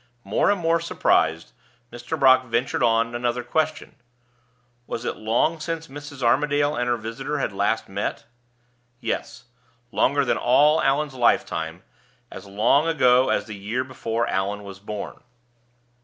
More and more surprised, Mr. Brock ventured on another question: Was it long since Mrs. Armadale and her visitor had last met? Yes; longer than all Allan's lifetime as long ago as the year before Allan was born.